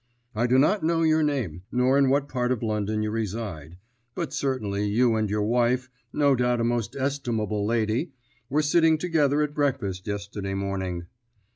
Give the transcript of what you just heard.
"I do not know your name, nor in what part of London you reside, but certainly you and your wife no doubt a most estimable lady were sitting together at breakfast yesterday morning."